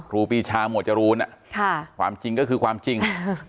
ครูปีชาหมวดจรูนความจริงก็คือความจริง